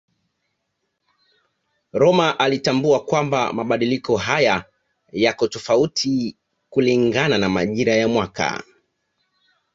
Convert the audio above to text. Rømer alitambua kwamba mabadiliko haya yako tofauti kulingana na majira ya mwaka.